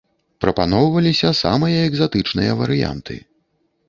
Прапаноўваліся самыя экзатычныя варыянты.